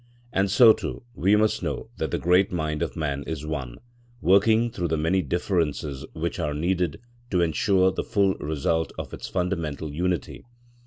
And so, too, we must know that the great mind of man is one, working through the many differences which are needed to ensure the full result of its fundamental unity.